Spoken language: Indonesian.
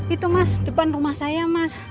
itu mas depan rumah saya mas